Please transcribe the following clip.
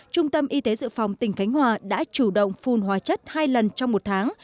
trung tâm y tế dự phòng tỉnh khánh hòa đã chủ động phun hóa chất hai lần trong một tháng